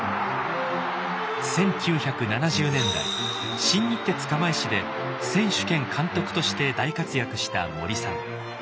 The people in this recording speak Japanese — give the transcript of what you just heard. １９７０年代新日鉄釜石で選手兼監督として大活躍した森さん。